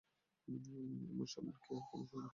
এমন সম্মান কি আর কোনো নামে হতে পারে!